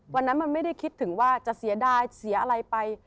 วันนั้นมันไม่ได้คิดถึงว่าจะเสียดายเสียอะไรไป